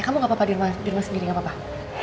kamu gak apa apa dirumah sendiri gak apa apa